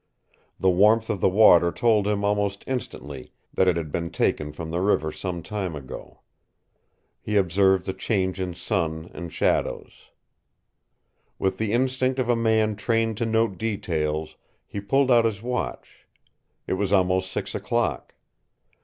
The warmth of the water told him almost instantly that it had been taken from the river some time ago. He observed the change in sun and shadows. With the instinct of a man trained to note details, he pulled out his watch. It was almost six o'clock.